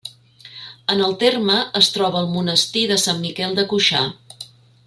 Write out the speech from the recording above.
En el terme es troba el monestir de Sant Miquel de Cuixà.